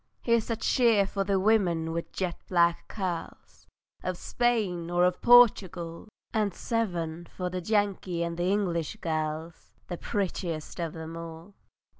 Here's a cheer for the women with jet black curls, Of Spain or of Portugal! And seven for the Yankee and English girls, The prettiest of them all!